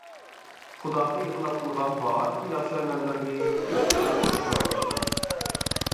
خۇداغا يىغلاپ قىلغان بارلىق ياخشى ئەمەللىرىنى، دادىسىغا بېغىشلاپتۇ.